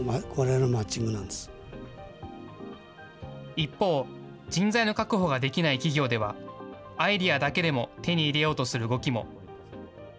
一方、人材の確保ができない企業では、アイデアだけでも手に入れようとする動きも。